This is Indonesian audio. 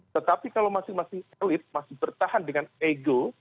tetapi kalau masing masing elit masih bertahan dengan ego